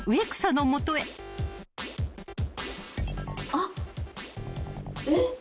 あっえっ？